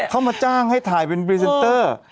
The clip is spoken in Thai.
เขามาจ้างให้ถ่ายเป็นพรีเซนเตอร์